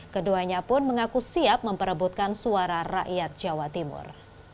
keduanya pun mengaku siap memperebutkan suara rakyat jawa timur